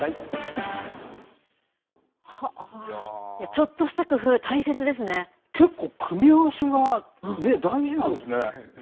ちょっとした工夫、結構、組み合わせがね、大事なんですね。